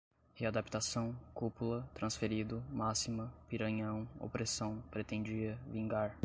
readaptação, cúpula, transferido, máxima, piranhão, opressão, pretendia, vingar